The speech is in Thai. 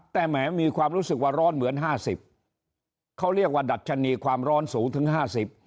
แต่แหมมีความรู้สึกว่าร้อนเหมือนห้าสิบเขาเรียกว่าดัชนีความร้อนสูงถึงห้าสิบ